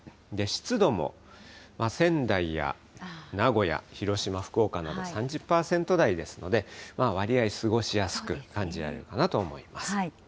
湿度も仙台や名古屋、広島、福岡など３０％台ですので、わりあい過ごしやすく感じられるかなと思います。